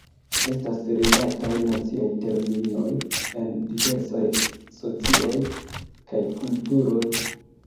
Estas rilataj naciaj terminoj en diversaj socioj kaj kulturoj.